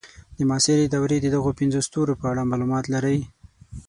د معاصرې دورې د دغو پنځو ستورو په اړه معلومات لرئ.